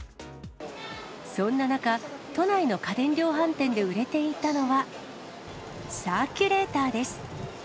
そんな中、都内の家電量販店で売れていたのは、サーキュレーターです。